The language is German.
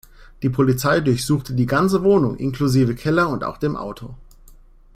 Die Polizei durchsuchte die ganze Wohnung inklusive Keller und auch dem Auto.